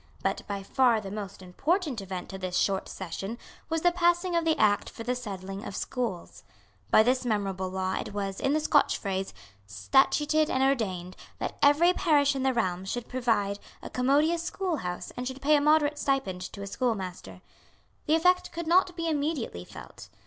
But by far the most important event of this short session was the passing of the Act for the settling of Schools. By this memorable law it was, in the Scotch phrase, statuted and ordained that every parish in the realm should provide a commodious schoolhouse and should pay a moderate stipend to a schoolmaster. The effect could not be immediately felt.